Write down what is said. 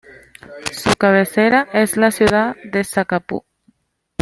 Su cabecera es la ciudad de Zacapu.